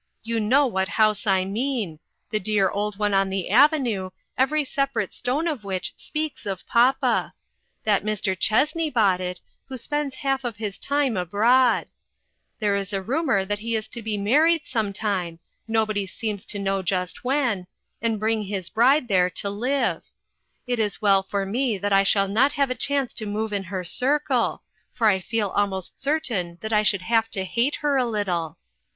You know what house I mean; the dear old one on the avenue, every separate stone of which speaks of papa. That Mr. Chessney bought it, who spends half of his time abroad. There is a rumor that he is to be married some time nobody seems to know just when and 432 INTERRUPTED. bring his bride there to live. It is well for me that I shall not have a chance to move in her circle, for I feel almost certain that I should have to hate her a little.